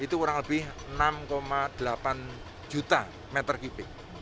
itu kurang lebih enam delapan juta meter kubik